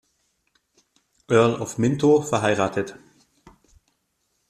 Earl of Minto verheiratet.